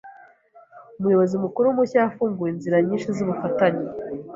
Umuyobozi mukuru mushya yafunguye inzira nyinshi zubufatanye.